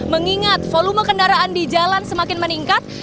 mengingat volume kendaraan di jalan semakin meningkat